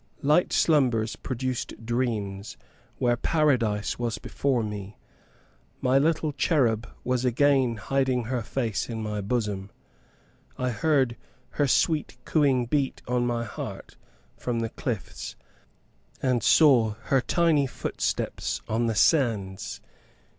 Light slumbers produced dreams, where Paradise was before me. My little cherub was again hiding her face in my bosom. I heard her sweet cooing beat on my heart from the cliffs, and saw her tiny footsteps on the sands.